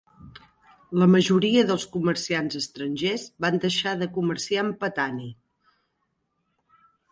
La majoria dels comerciants estrangers van deixar de comerciar amb Patani.